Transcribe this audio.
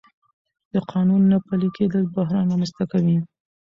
د قانون نه پلي کېدل بحران رامنځته کوي